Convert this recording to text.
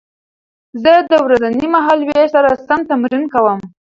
زه د ورځني مهالوېش سره سم تمرین کوم.